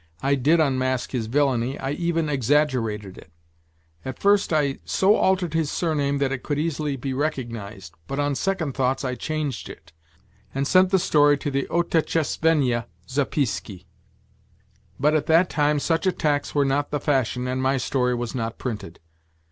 I did unmask his villainy, I even exaggerated it; at first I so altered his surname that it could easily be recognized, but on second thoughts I changed it, and sent the story to the Otetchest venniya Zapiski. But at that time such attacks were not the fashion and my story was not printed.